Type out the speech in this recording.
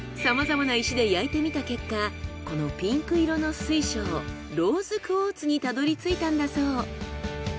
さまざまな石で焼いてみた結果このピンク色の水晶ローズクォーツにたどりついたんだそう。